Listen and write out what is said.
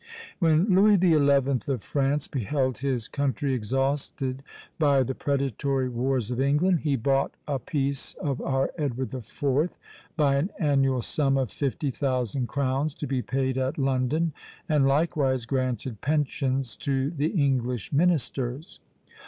When Louis the Eleventh of France beheld his country exhausted by the predatory wars of England, he bought a peace of our Edward the Fourth by an annual sum of fifty thousand crowns, to be paid at London, and likewise granted pensions to the English ministers.